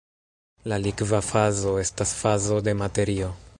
La "likva fazo" estas fazo de materio.